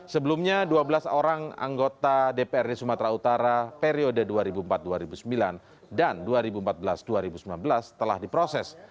sebelumnya dua belas orang anggota dprd sumatera utara periode dua ribu empat dua ribu sembilan dan dua ribu empat belas dua ribu sembilan belas telah diproses